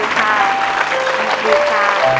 สวัสดีครับ